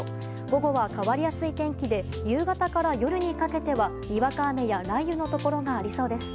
午後は変わりやすい天気で夕方から夜にかけてはにわか雨や雷雨のところがありそうです。